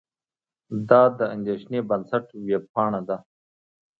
دا د اندېښې بنسټ وېبپاڼه ده.